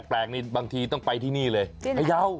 แปลกบางทีต้องไปที่นี่เลย